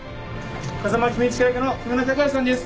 風間公親役の木村拓哉さんです。